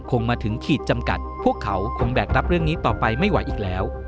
คงมาถึงขีดจำกัดพวกเขาคงแบกรับเรื่องนี้ต่อไปไม่ไหวอีกแล้ว